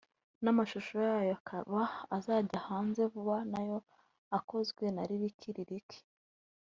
n’amashusho yayo akaba azajya hanze vuba nayo akozwe na Licklick